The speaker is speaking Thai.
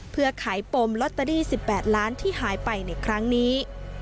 เพื่อขายปมลอตเตอรี่๑๘ล้านที่หายไปในครั้งนี้